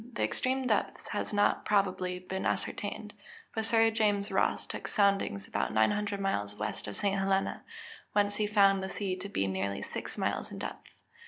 _ The extreme depth has not, probably, been ascertained. But Sir James Ross took soundings about 900 miles west of St. Helena, whence he found the sea to be nearly six miles in depth.